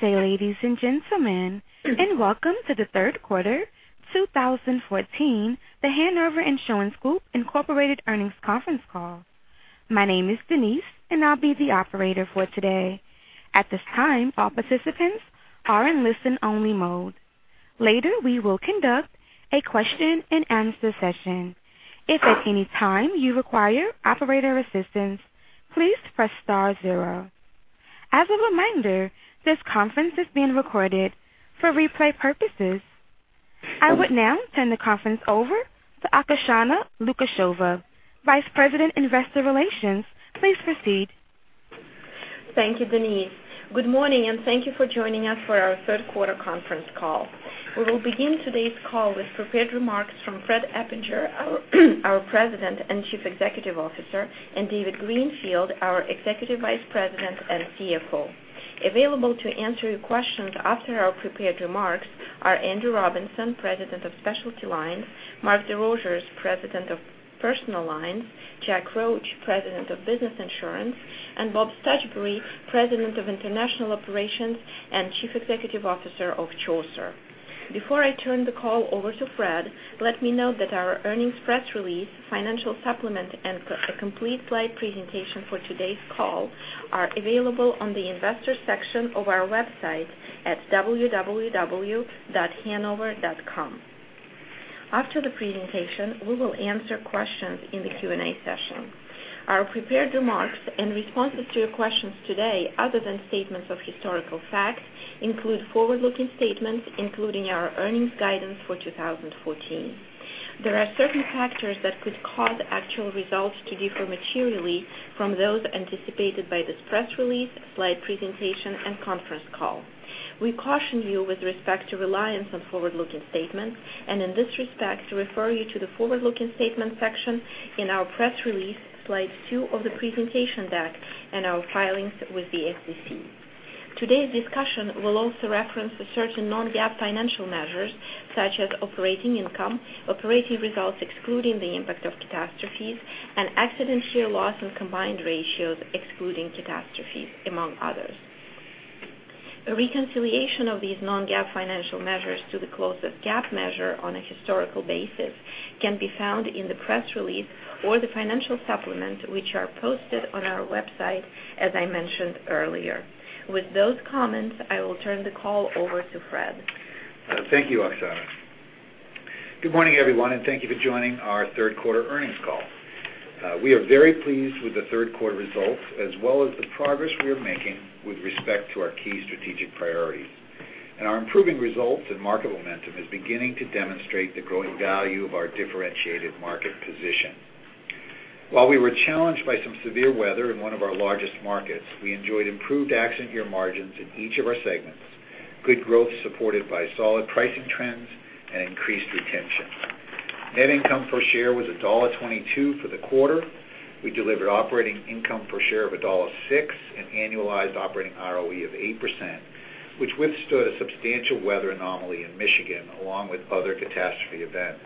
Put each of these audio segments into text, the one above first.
Good day, ladies and gentlemen, and welcome to the third quarter 2014 The Hanover Insurance Group Incorporated earnings conference call. My name is Denise, and I will be the operator for today. At this time, all participants are in listen-only mode. Later, we will conduct a question and answer session. If at any time you require operator assistance, please press star zero. As a reminder, this conference is being recorded for replay purposes. I would now turn the conference over to Oksana Lukasheva, Vice President, Investor Relations. Please proceed. Thank you, Denise. Good morning, and thank you for joining us for our third quarter conference call. We will begin today's call with prepared remarks from Frederick Eppinger, our President and Chief Executive Officer, and David Greenfield, our Executive Vice President and CFO. Available to answer your questions after our prepared remarks are Andrew Robinson, President of Specialty Lines, Mark DesRosiers, President of Personal Lines, Jack Roche, President of Business Insurance, and Robert Stuchbery, President of International Operations and Chief Executive Officer of Chaucer. Before I turn the call over to Fred, let me note that our earnings press release, financial supplement, and a complete slide presentation for today's call are available on the investor section of our website at www.hanover.com. After the presentation, we will answer questions in the Q&A session. Our prepared remarks in responses to your questions today, other than statements of historical facts, include forward-looking statements, including our earnings guidance for 2014. There are certain factors that could cause actual results to differ materially from those anticipated by this press release, slide presentation, and conference call. We caution you with respect to reliance on forward-looking statements, and in this respect, we refer you to the forward-looking statements section in our press release, slide two of the presentation deck, and our filings with the SEC. Today's discussion will also reference certain non-GAAP financial measures such as operating income, operating results excluding the impact of catastrophes, and accident year loss and combined ratios excluding catastrophes, among others. A reconciliation of these non-GAAP financial measures to the closest GAAP measure on a historical basis can be found in the press release or the financial supplement, which are posted on our website, as I mentioned earlier. With those comments, I will turn the call over to Fred. Thank you, Oksana. Good morning, everyone, thank you for joining our third quarter earnings call. We are very pleased with the third quarter results, as well as the progress we are making with respect to our key strategic priorities. Our improving results and market momentum is beginning to demonstrate the growing value of our differentiated market position. While we were challenged by some severe weather in one of our largest markets, we enjoyed improved accident year margins in each of our segments, good growth supported by solid pricing trends and increased retention. Net income per share was $1.22 for the quarter. We delivered operating income per share of $1.06 and annualized operating ROE of 8%, which withstood a substantial weather anomaly in Michigan, along with other catastrophe events.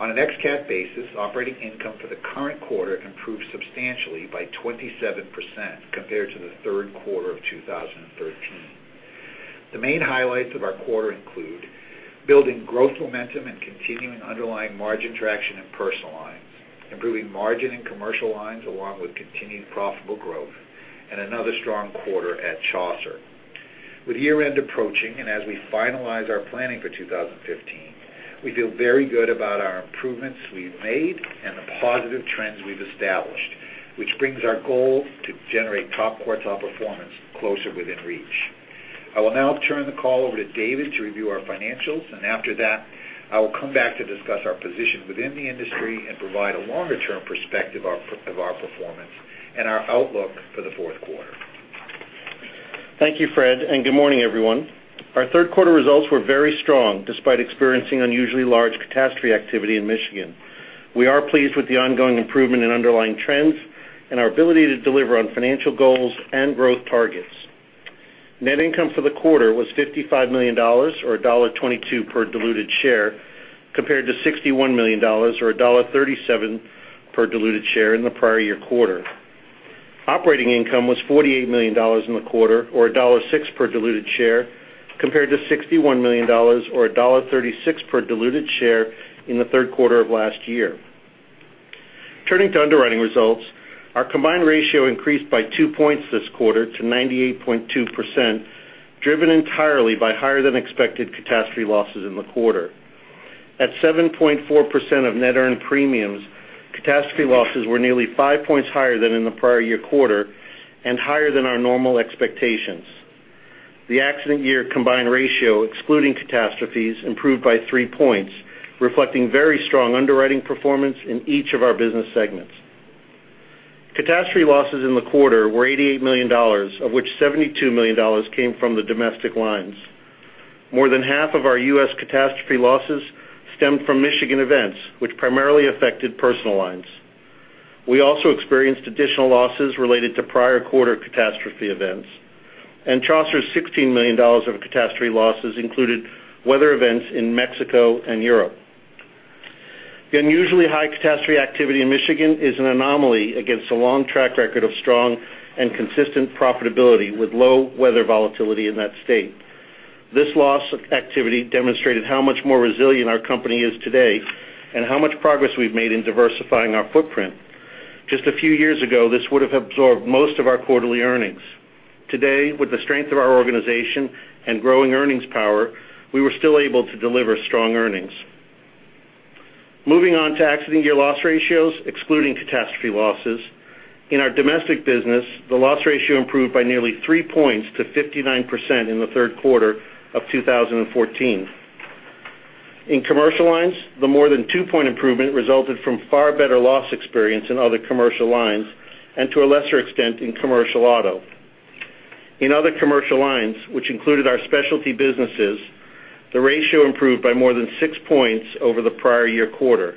On an ex cat basis, operating income for the current quarter improved substantially by 27% compared to the third quarter of 2013. The main highlights of our quarter include building growth momentum and continuing underlying margin traction in Personal Lines, improving margin in Commercial Lines along with continued profitable growth, another strong quarter at Chaucer. With year-end approaching, as we finalize our planning for 2015, we feel very good about our improvements we've made and the positive trends we've established, which brings our goal to generate top quartile performance closer within reach. I will now turn the call over to David to review our financials, after that, I will come back to discuss our position within the industry and provide a longer-term perspective of our performance and our outlook for the fourth quarter. Thank you, Fred, good morning, everyone. Our third quarter results were very strong despite experiencing unusually large catastrophe activity in Michigan. We are pleased with the ongoing improvement in underlying trends and our ability to deliver on financial goals and growth targets. Net income for the quarter was $55 million, or $1.22 per diluted share, compared to $61 million, or $1.37 per diluted share in the prior year quarter. Operating income was $48 million in the quarter, or $1.06 per diluted share, compared to $61 million, or $1.36 per diluted share in the third quarter of last year. Turning to underwriting results, our combined ratio increased by 2 points this quarter to 98.2%, driven entirely by higher-than-expected catastrophe losses in the quarter. At 7.4% of net earned premiums, catastrophe losses were nearly 5 points higher than in the prior year quarter and higher than our normal expectations. The accident year combined ratio, excluding catastrophes, improved by 3 points, reflecting very strong underwriting performance in each of our business segments. Catastrophe losses in the quarter were $88 million, of which $72 million came from the domestic lines. More than half of our U.S. catastrophe losses stemmed from Michigan events, which primarily affected Personal Lines. We also experienced additional losses related to prior quarter catastrophe events, Chaucer's $16 million of catastrophe losses included weather events in Mexico and Europe. The unusually high catastrophe activity in Michigan is an anomaly against a long track record of strong and consistent profitability with low weather volatility in that state. This loss of activity demonstrated how much more resilient our company is today and how much progress we've made in diversifying our footprint. Just a few years ago, this would have absorbed most of our quarterly earnings. Today, with the strength of our organization and growing earnings power, we were still able to deliver strong earnings. Moving on to accident year loss ratios, excluding catastrophe losses. In our domestic business, the loss ratio improved by nearly three points to 59% in the third quarter of 2014. In Commercial Lines, the more than two point improvement resulted from far better loss experience in other commercial lines, and to a lesser extent, in Commercial Auto. In other commercial lines, which included our specialty businesses, the ratio improved by more than six points over the prior year quarter.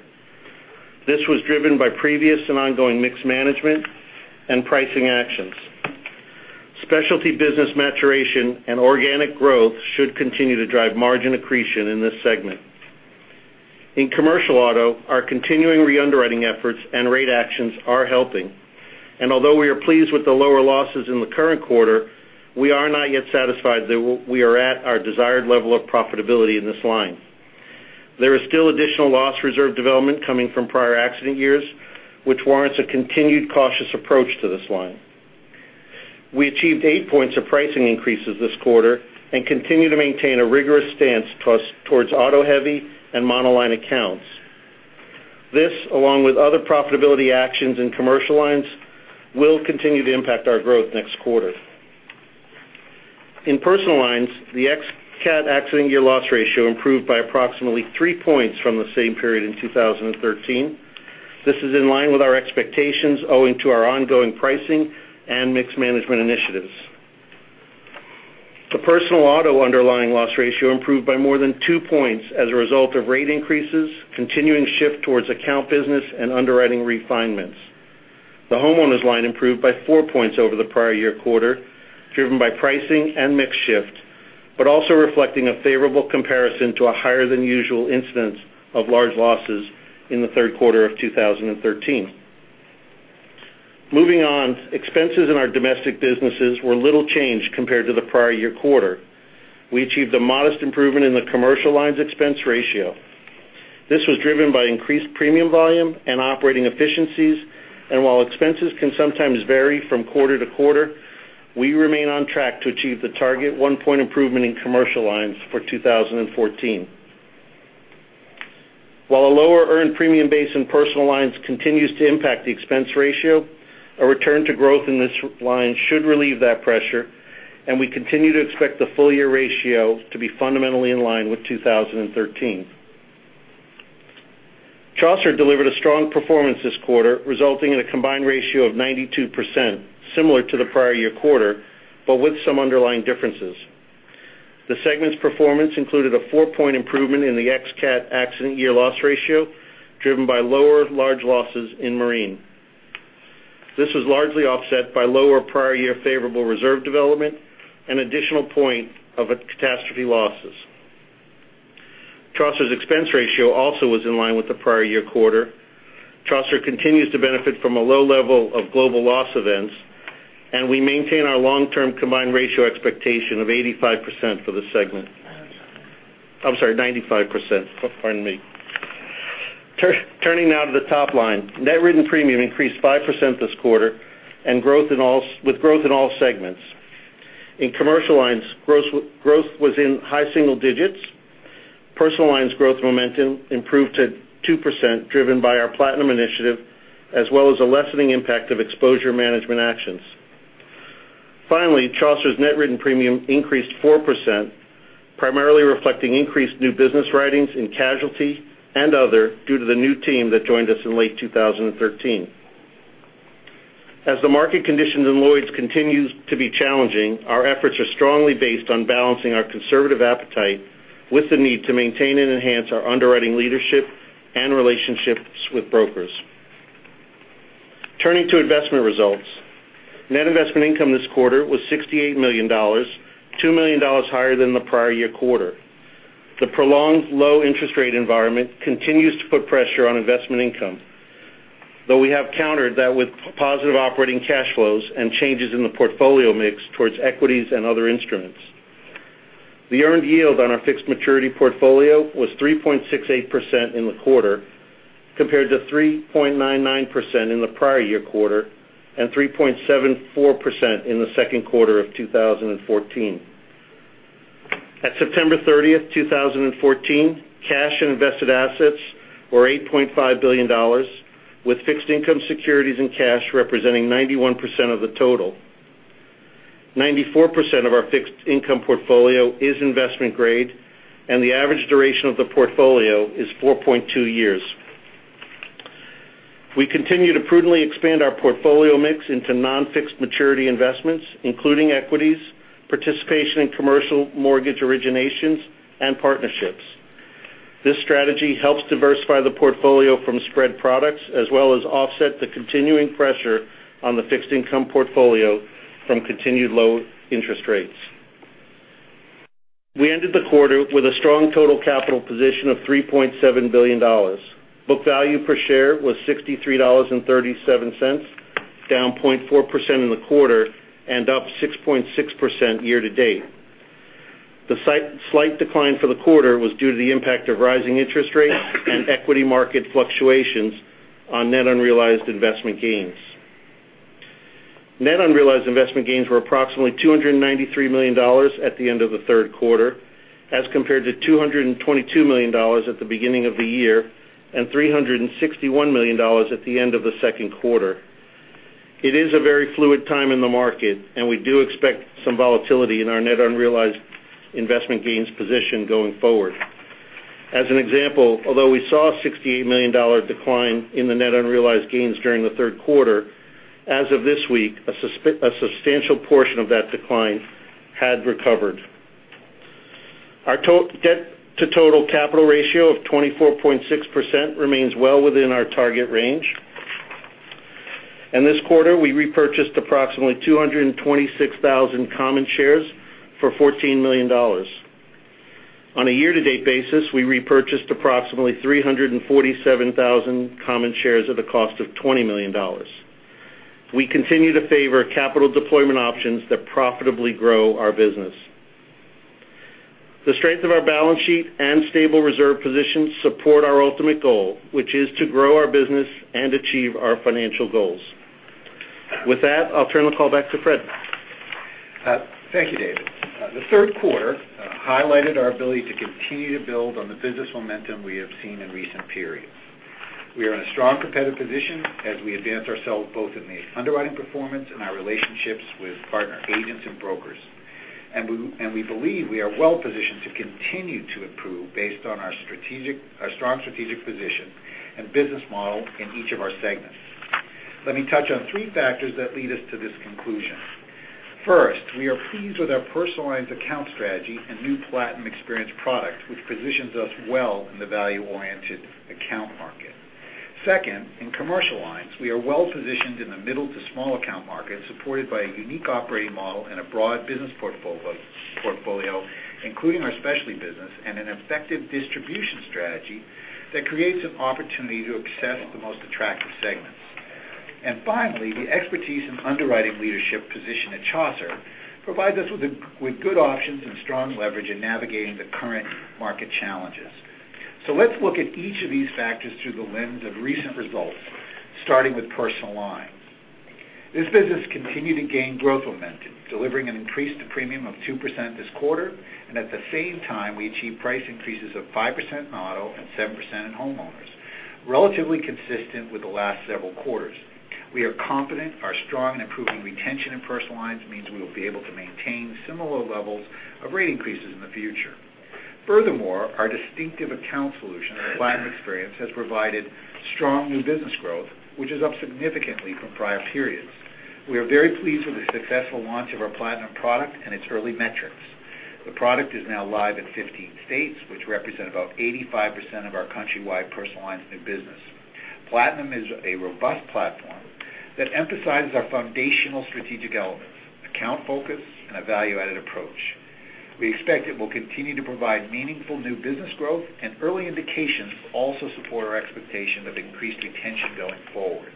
This was driven by previous and ongoing mixed management and pricing actions. specialty business maturation and organic growth should continue to drive margin accretion in this segment. In Commercial Auto, our continuing re-underwriting efforts and rate actions are helping, and although we are pleased with the lower losses in the current quarter, we are not yet satisfied that we are at our desired level of profitability in this line. There is still additional loss reserve development coming from prior accident years, which warrants a continued cautious approach to this line. We achieved eight points of pricing increases this quarter and continue to maintain a rigorous stance towards auto heavy and monoline accounts. This, along with other profitability actions in Commercial Lines, will continue to impact our growth next quarter. In Personal Lines, the ex-cat accident year loss ratio improved by approximately three points from the same period in 2013. This is in line with our expectations owing to our ongoing pricing and mixed management initiatives. The Personal Auto underlying loss ratio improved by more than two points as a result of rate increases, continuing shift towards account business and underwriting refinements. The Homeowners line improved by four points over the prior year quarter, driven by pricing and mix shift, but also reflecting a favorable comparison to a higher than usual incidence of large losses in the third quarter of 2013. Moving on, expenses in our domestic businesses were little changed compared to the prior year quarter. We achieved a modest improvement in the Commercial Lines expense ratio. This was driven by increased premium volume and operating efficiencies, and while expenses can sometimes vary from quarter to quarter, we remain on track to achieve the target one point improvement in Commercial Lines for 2014. While a lower earned premium base in Personal Lines continues to impact the expense ratio, a return to growth in this line should relieve that pressure, and we continue to expect the full year ratio to be fundamentally in line with 2013. Chaucer delivered a strong performance this quarter, resulting in a combined ratio of 92%, similar to the prior year quarter, but with some underlying differences. The segment's performance included a four-point improvement in the ex-cat accident year loss ratio, driven by lower large losses in Marine. This was largely offset by lower prior year favorable reserve development, an additional point of catastrophe losses. Chaucer's expense ratio also was in line with the prior year quarter. Chaucer continues to benefit from a low level of global loss events, and we maintain our long-term combined ratio expectation of 85% for the segment. I'm sorry, 95%. Pardon me. Turning now to the top line. Net written premium increased 5% this quarter with growth in all segments. In commercial lines, growth was in high single digits. Personal lines growth momentum improved to 2%, driven by our Platinum initiative, as well as a lessening impact of exposure management actions. Finally, Chaucer's net written premium increased 4%, primarily reflecting increased new business writings in casualty and other, due to the new team that joined us in late 2013. As the market conditions in Lloyd's continues to be challenging, our efforts are strongly based on balancing our conservative appetite with the need to maintain and enhance our underwriting leadership and relationships with brokers. Turning to investment results. Net investment income this quarter was $68 million, $2 million higher than the prior year quarter. The prolonged low interest rate environment continues to put pressure on investment income. We have countered that with positive operating cash flows and changes in the portfolio mix towards equities and other instruments. The earned yield on our fixed maturity portfolio was 3.68% in the quarter, compared to 3.99% in the prior year quarter and 3.74% in the second quarter of 2014. At September 30th, 2014, cash and invested assets were $8.5 billion, with fixed income securities and cash representing 91% of the total. 94% of our fixed income portfolio is investment grade, and the average duration of the portfolio is 4.2 years. We continue to prudently expand our portfolio mix into non-fixed maturity investments, including equities, participation in commercial mortgage originations, and partnerships. This strategy helps diversify the portfolio from spread products, as well as offset the continuing pressure on the fixed income portfolio from continued low interest rates. We ended the quarter with a strong total capital position of $3.7 billion. Book value per share was $63.37, down 0.4% in the quarter and up 6.6% year-to-date. The slight decline for the quarter was due to the impact of rising interest rates and equity market fluctuations on net unrealized investment gains. Net unrealized investment gains were approximately $293 million at the end of the third quarter, as compared to $222 million at the beginning of the year, and $361 million at the end of the second quarter. It is a very fluid time in the market. We do expect some volatility in our net unrealized investment gains position going forward. As an example, although we saw a $68 million decline in the net unrealized gains during the third quarter, as of this week, a substantial portion of that decline had recovered. Our debt to total capital ratio of 24.6% remains well within our target range. This quarter, we repurchased approximately 226,000 common shares for $14 million. On a year-to-date basis, we repurchased approximately 347,000 common shares at a cost of $20 million. We continue to favor capital deployment options that profitably grow our business. The strength of our balance sheet and stable reserve position support our ultimate goal, which is to grow our business and achieve our financial goals. With that, I'll turn the call back to Fred. Thank you, David. The third quarter highlighted our ability to continue to build on the business momentum we have seen in recent periods. We are in a strong competitive position as we advance ourselves both in the underwriting performance and our relationships with partner agents and brokers. We believe we are well positioned to continue to improve based on our strong strategic position and business model in each of our segments. Let me touch on three factors that lead us to this conclusion. First, we are pleased with our Personal Lines account strategy and new The Hanover Platinum Experience product, which positions us well in the value-oriented account market. Second, in Commercial Lines, we are well-positioned in the middle to small account market, supported by a unique operating model and a broad business portfolio, including our specialty business and an effective distribution strategy that creates an opportunity to obsess the most attractive segments. Finally, the expertise and underwriting leadership position at Chaucer provides us with good options and strong leverage in navigating the current market challenges. Let's look at each of these factors through the lens of recent results, starting with Personal Lines. This business continued to gain growth momentum, delivering an increase to premium of 2% this quarter. At the same time, we achieved price increases of 5% in auto and 7% in Homeowners, relatively consistent with the last several quarters. We are confident our strong and improving retention in Personal Lines means we will be able to maintain similar levels of rate increases in the future. Furthermore, our distinctive account solution, The Hanover Platinum Experience, has provided strong new business growth, which is up significantly from prior periods. We are very pleased with the successful launch of our Hanover Platinum product and its early metrics. The product is now live in 15 states, which represent about 85% of our countrywide Personal Lines new business. Hanover Platinum is a robust platform that emphasizes our foundational strategic elements, account focus, and a value-added approach. We expect it will continue to provide meaningful new business growth, and early indications also support our expectation of increased retention going forward.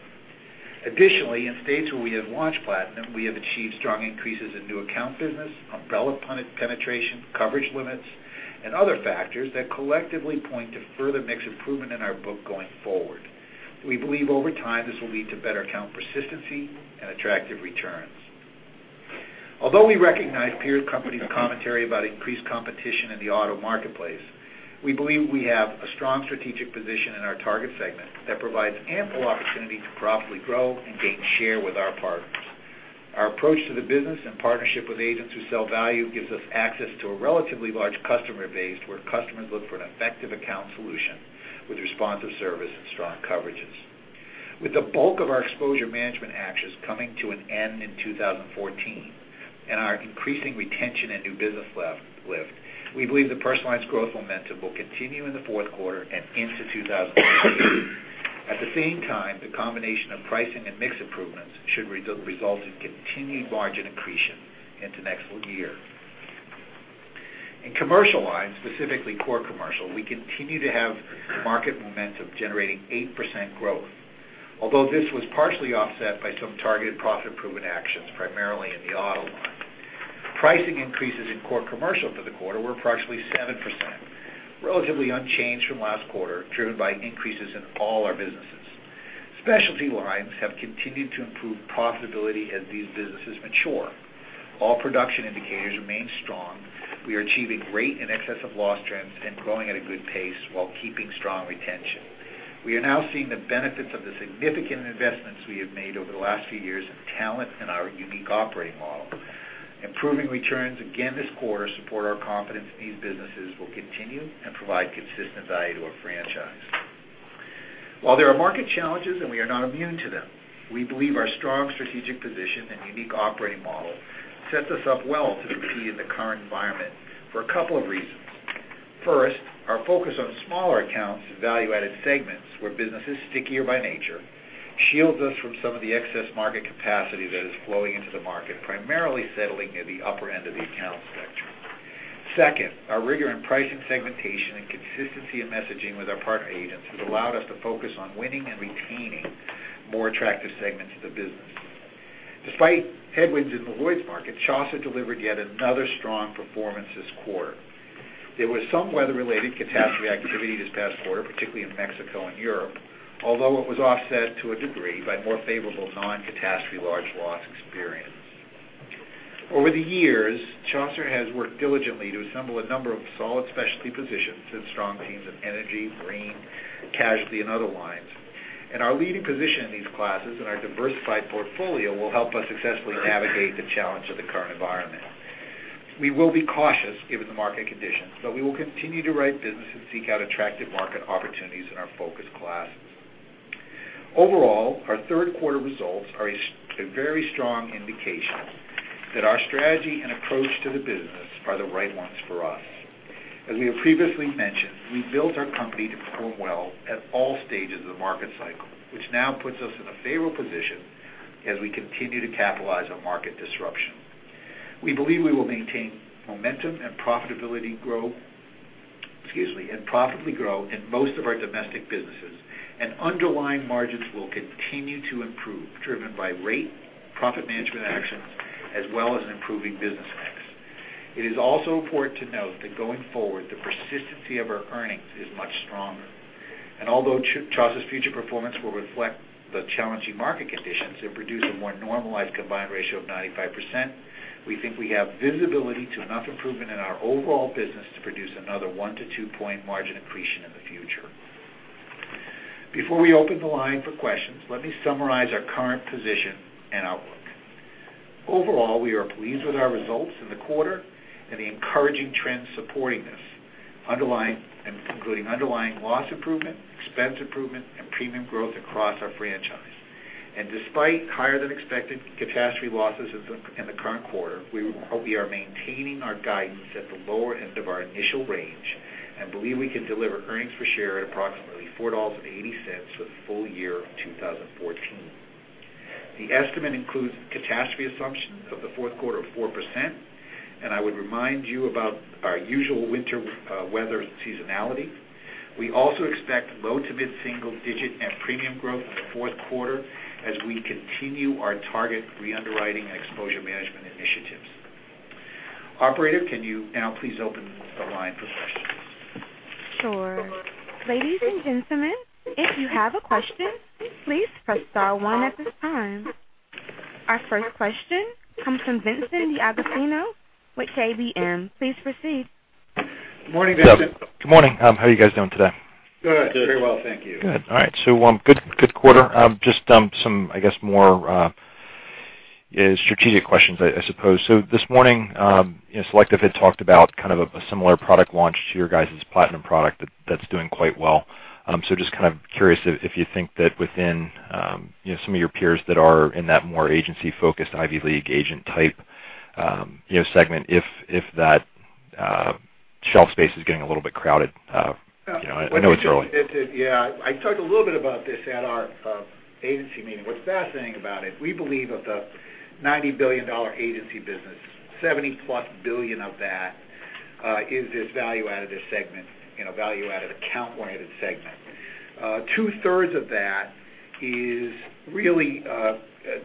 Additionally, in states where we have launched Hanover Platinum, we have achieved strong increases in new account business, umbrella penetration, coverage limits, and other factors that collectively point to further mix improvement in our book going forward. We believe over time this will lead to better account persistency and attractive returns. Although we recognize peer companies' commentary about increased competition in the auto marketplace, we believe we have a strong strategic position in our target segment that provides ample opportunity to profitably grow and gain share with our partners. Our approach to the business and partnership with agents who sell value gives us access to a relatively large customer base where customers look for an effective account solution with responsive service and strong coverages. With the bulk of our exposure management actions coming to an end in 2014 and our increasing retention and new business lift, we believe the Personal Lines growth momentum will continue in the fourth quarter and into 2015. At the same time, the combination of pricing and mix improvements should result in continued margin accretion into next year. In Commercial Lines, specifically core commercial, we continue to have market momentum generating 8% growth. This was partially offset by some targeted profit improvement actions, primarily in the auto line. Pricing increases in core commercial for the quarter were approximately 7%, relatively unchanged from last quarter, driven by increases in all our businesses. Specialty Lines have continued to improve profitability as these businesses mature. All production indicators remain strong. We are achieving rate in excess of loss trends and growing at a good pace while keeping strong retention. Second, our rigor in pricing segmentation and consistency in messaging with our partner agents has allowed us to focus on winning and retaining more attractive segments of the business. Despite headwinds in the Lloyd's market, Chaucer delivered yet another strong performance this quarter. We will be cautious given the market conditions, but we will continue to write business and seek out attractive market opportunities in our focus classes. Overall, our third quarter results are a very strong indication that our strategy and approach to the business are the right ones for us. As we have previously mentioned, we built our company to perform well at all stages of the market cycle, which now puts us in a favorable position as we continue to capitalize on market disruption. We believe we will maintain momentum and profitably grow in most of our domestic businesses, and underlying margins will continue to improve, driven by rate, profit management actions, as well as improving business mix. It is also important to note that going forward, the persistency of our earnings is much stronger. Although Chaucer's future performance will reflect the challenging market conditions that produce a more normalized combined ratio of 95%, we think we have visibility to enough improvement in our overall business to produce another one to two-point margin accretion in the future. Before we open the line for questions, let me summarize our current position and outlook. Overall, we are pleased with our results in the quarter and the encouraging trends supporting this, including underlying loss improvement, expense improvement, and premium growth across our franchise. Despite higher than expected catastrophe losses in the current quarter, we are maintaining our guidance at the lower end of our initial range and believe we can deliver earnings per share at approximately $4.80 for the full year of 2014. The estimate includes catastrophe assumptions of the fourth quarter of 4%, and I would remind you about our usual winter weather seasonality. We also expect low to mid-single digit premium growth in the fourth quarter as we continue our target re-underwriting and exposure management initiatives. Operator, can you now please open the line for questions? Sure. Ladies and gentlemen, if you have a question, please press star one at this time. Our first question comes from Vincent DeAugustino with KBW. Please proceed. Morning, Vincent. Good morning. How are you guys doing today? Good. Very well, thank you. Good. All right. Good quarter. Just some, I guess, more strategic questions, I suppose. This morning, Selective had talked about a similar product launch to your guys' Hanover Platinum product that's doing quite well. Just kind of curious if you think that within some of your peers that are in that more agency-focused Ivy League agent type segment, if that shelf space is getting a little bit crowded. I know it's early. Yeah. I talked a little bit about this at our agency meeting. What's fascinating about it, we believe of the $90 billion agency business, $70-plus billion of that is this value-added account-oriented segment. Two-thirds of that is really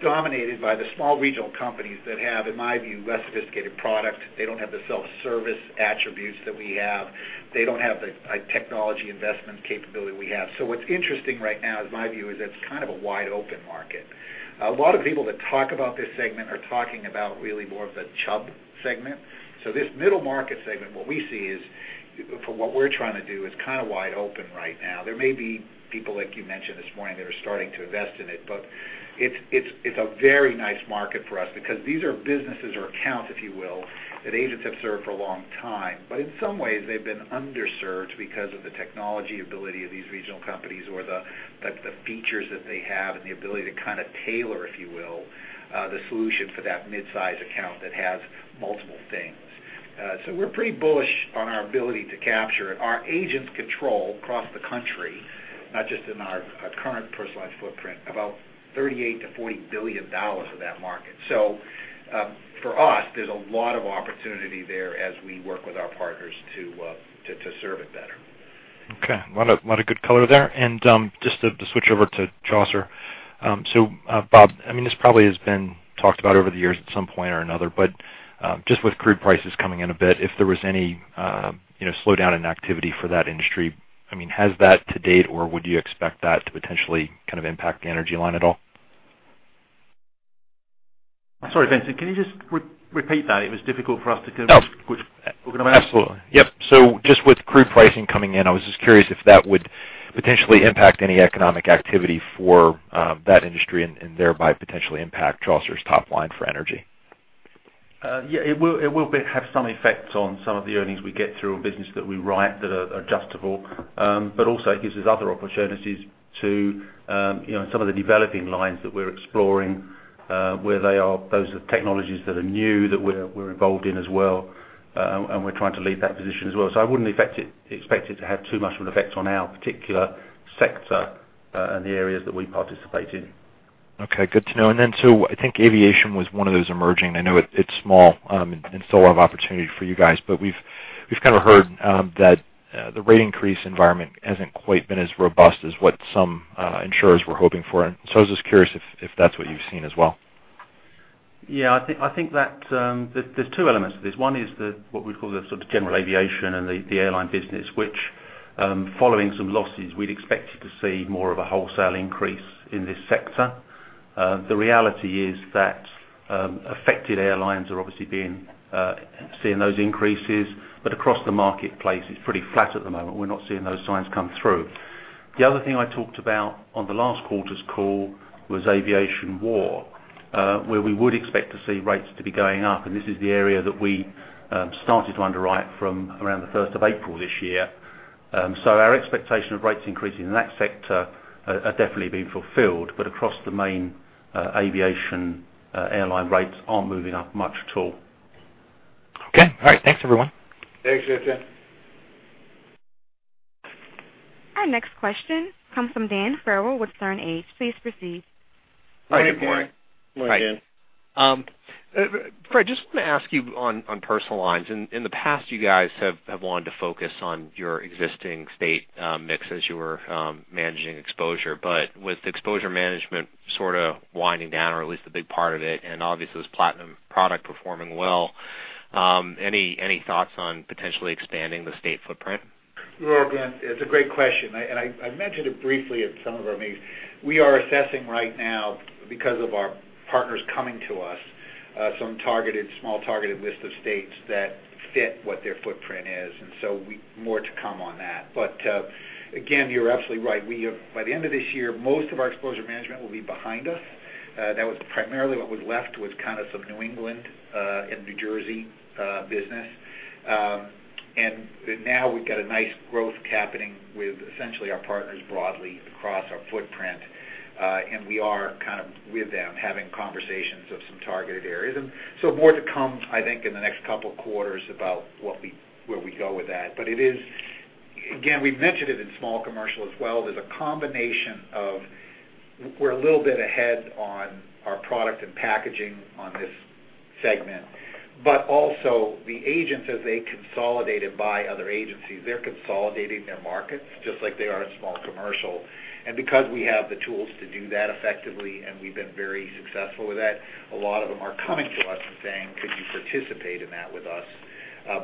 dominated by the small regional companies that have, in my view, less sophisticated product. They don't have the self-service attributes that we have. They don't have the technology investment capability we have. What's interesting right now, in my view, is it's kind of a wide open market. A lot of people that talk about this segment are talking about really more of the Chubb segment. This middle market segment, what we see is, for what we're trying to do, is kind of wide open right now. There may be people like you mentioned this morning that are starting to invest in it, but it's a very nice market for us because these are businesses or accounts, if you will, that agents have served for a long time. In some ways, they've been underserved because of the technology ability of these regional companies or the features that they have and the ability to kind of tailor, if you will, the solution for that mid-size account that has multiple things. We're pretty bullish on our ability to capture it. Our agents control across the country, not just in our current Personal Lines footprint, about $38 billion-$40 billion of that market. For us, there's a lot of opportunity there as we work with our partners to serve it better. Okay. A lot of good color there. Just to switch over to Chaucer. Bob, this probably has been talked about over the years at some point or another, but just with crude prices coming in a bit, if there was any slowdown in activity for that industry. Has that to date, or would you expect that to potentially kind of impact the energy line at all? Sorry, Vincent, can you just repeat that? It was difficult for us to hear. Absolutely. Yep. Just with crude pricing coming in, I was just curious if that would potentially impact any economic activity for that industry and thereby potentially impact Chaucer's top line for energy. It will have some effect on some of the earnings we get through business that we write that are adjustable, but also it gives us other opportunities to some of the developing lines that we're exploring where those are technologies that are new that we're involved in as well, and we're trying to lead that position as well. I wouldn't expect it to have too much of an effect on our particular sector The areas that we participate in. Good to know. I think aviation was one of those emerging. I know it's small and still a lot of opportunity for you guys, but we've heard that the rate increase environment hasn't quite been as robust as what some insurers were hoping for. I was just curious if that's what you've seen as well. I think that there's two elements to this. One is what we call the sort of general aviation and the airline business, which, following some losses, we'd expected to see more of a wholesale increase in this sector. The reality is that affected airlines are obviously seeing those increases, but across the marketplace, it's pretty flat at the moment. We're not seeing those signs come through. The other thing I talked about on the last quarter's call was aviation war, where we would expect to see rates to be going up, and this is the area that we started to underwrite from around the 1st of April this year. Our expectation of rates increasing in that sector are definitely being fulfilled, but across the main aviation airline rates aren't moving up much at all. Okay. All right. Thanks, everyone. Thanks, Justin. Our next question comes from Dan Farrell with Sterne Agee. Please proceed. Hi, Dan. Good morning. Morning, Dan. Fred, just want to ask you on Personal Lines. In the past, you guys have wanted to focus on your existing state mix as you were managing exposure, but with exposure management sort of winding down, or at least a big part of it, and obviously, this Platinum product performing well, any thoughts on potentially expanding the state footprint? Well, Dan, it's a great question, and I mentioned it briefly at some of our meetings. We are assessing right now, because of our partners coming to us, some small targeted list of states that fit what their footprint is, and so more to come on that. Again, you're absolutely right. By the end of this year, most of our exposure management will be behind us. That was primarily what was left was kind of some New England and New Jersey business. Now we've got a nice growth happening with essentially our partners broadly across our footprint. We are kind of with them, having conversations of some targeted areas. So more to come, I think, in the next couple of quarters about where we go with that. It is, again, we've mentioned it in small commercial as well. We're a little bit ahead on our product and packaging on this segment. The agents, as they consolidated by other agencies, they're consolidating their markets just like they are in small commercial. Because we have the tools to do that effectively, and we've been very successful with that, a lot of them are coming to us and saying, "Could you participate in that with us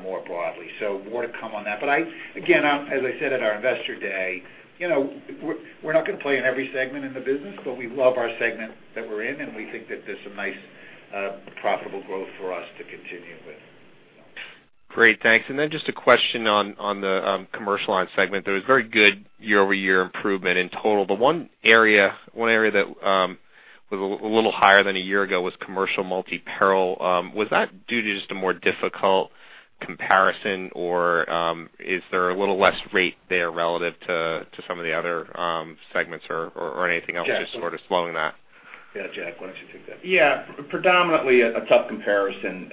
more broadly?" More to come on that, but again, as I said at our investor day, we're not going to play in every segment in the business, but we love our segment that we're in, and we think that there's some nice profitable growth for us to continue with. Great. Thanks. Just a question on the commercial line segment. There was very good year-over-year improvement in total. The one area that was a little higher than a year ago was Commercial Multi-Peril. Was that due to just a more difficult comparison, or is there a little less rate there relative to some of the other segments or anything else just sort of slowing that? Yeah, Jack, why don't you take that? Yeah, predominantly a tough comparison.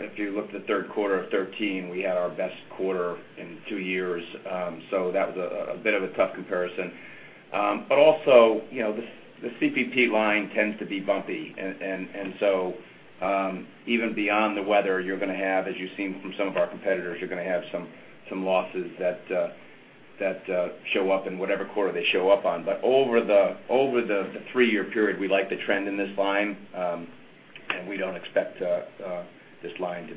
If you look at the third quarter of 2013, we had our best quarter in two years. That was a bit of a tough comparison. The CPP line tends to be bumpy. Even beyond the weather, you're going to have, as you've seen from some of our competitors, you're going to have some losses that show up in whatever quarter they show up on. Over the three-year period, we like the trend in this line, and we don't expect this line to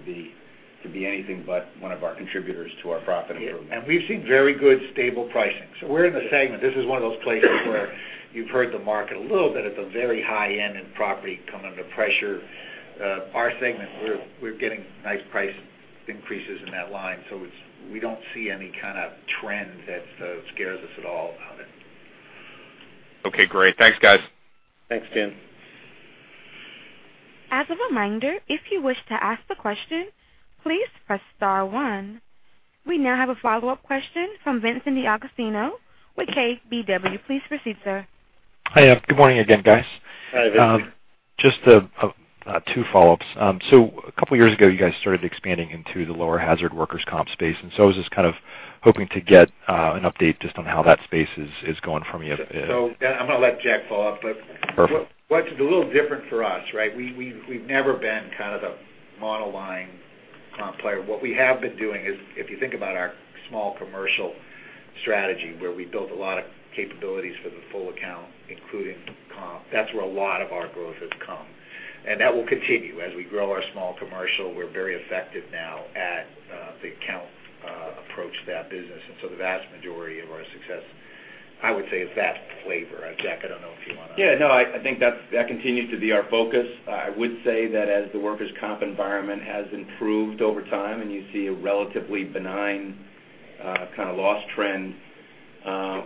be anything but one of our contributors to our profit improvement. We've seen very good stable pricing. We're in the segment. This is one of those places where you've heard the market a little bit at the very high end in property come under pressure. Our segment, we're getting nice price increases in that line, so we don't see any kind of trend that scares us at all on it. Okay, great. Thanks, guys. Thanks, Dan. As a reminder, if you wish to ask the question, please press star one. We now have a follow-up question from Justin with KBW. Please proceed, sir. Hi. Good morning again, guys. Hi, Vincent. Just two follow-ups. A couple of years ago, you guys started expanding into the lower hazard Workers' Compensation space, I was just kind of hoping to get an update just on how that space is going for me. I'm going to let Jack follow up. Perfect What's a little different for us, right? We've never been kind of the model line comp player. What we have been doing is, if you think about our small commercial strategy, where we built a lot of capabilities for the full account, including comp, that's where a lot of our growth has come. That will continue. As we grow our small commercial, we're very effective now at the account approach to that business. The vast majority of our success, I would say, is that flavor. Jack, I don't know if you want to. I think that continues to be our focus. I would say that as the Workers' Compensation environment has improved over time, and you see a relatively benign kind of loss trend,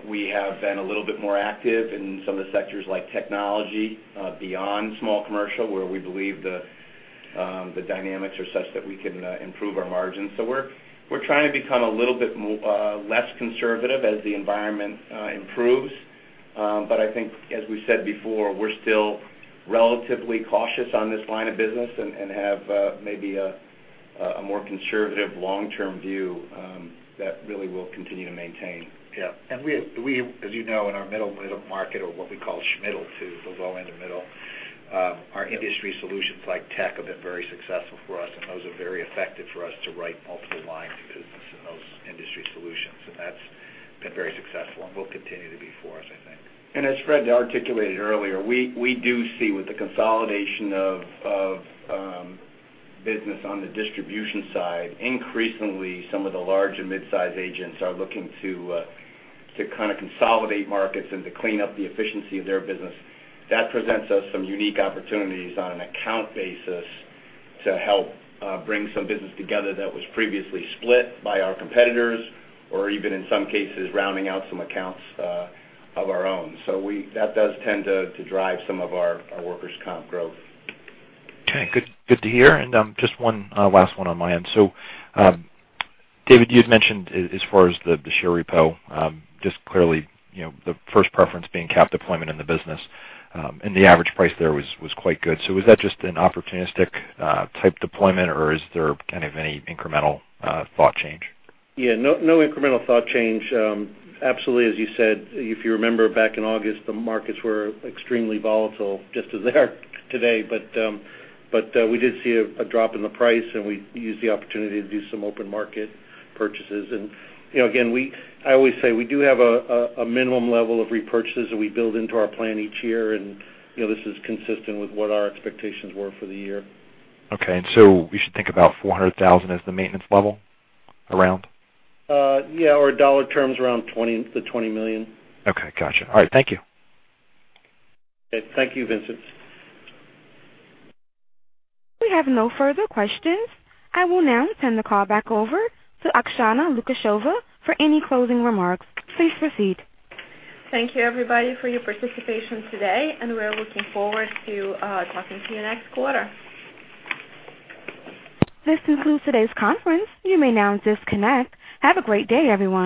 we have been a little bit more active in some of the sectors like technology, beyond small commercial, where we believe the dynamics are such that we can improve our margins. We're trying to become a little bit less conservative as the environment improves. I think, as we said before, we're still relatively cautious on this line of business and have maybe a more conservative long-term view that really we'll continue to maintain. We, as you know, in our middle market or what we call Schmiddle, so low end to middle, our industry solutions like tech have been very successful for us, those are very effective for us to write multiple lines of business in those industry solutions. That's been very successful and will continue to be for us, I think. As Fred articulated earlier, we do see with the consolidation of business on the distribution side, increasingly some of the large and mid-size agents are looking to kind of consolidate markets and to clean up the efficiency of their business. That presents us some unique opportunities on an account basis to help bring some business together that was previously split by our competitors, or even in some cases, rounding out some accounts of our own. That does tend to drive some of our Workers' Compensation growth. Okay, good to hear. Just one last one on my end. David, you had mentioned as far as the share repo, just clearly the first preference being cap deployment in the business, and the average price there was quite good. Was that just an opportunistic type deployment or is there kind of any incremental thought change? Yeah. No incremental thought change. Absolutely, as you said, if you remember back in August, the markets were extremely volatile, just as they are today. We did see a drop in the price, and we used the opportunity to do some open market purchases. Again, I always say we do have a minimum level of repurchases that we build into our plan each year, and this is consistent with what our expectations were for the year. Okay. So we should think about $400,000 as the maintenance level around? Yeah, or dollar terms around $20 million. Okay, got you. All right. Thank you. Okay. Thank you, Vincent. We have no further questions. I will now turn the call back over to Oksana Lukasheva for any closing remarks. Please proceed. Thank you everybody for your participation today. We're looking forward to talking to you next quarter. This concludes today's conference. You may now disconnect. Have a great day, everyone.